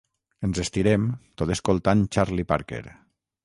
Ens estirem tot escoltant Charlie Parker.